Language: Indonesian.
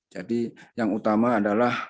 jadi yang utama adalah